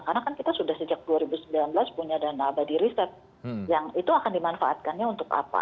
karena kan kita sudah sejak dua ribu sembilan belas punya dana abadi riset yang itu akan dimanfaatkannya untuk apa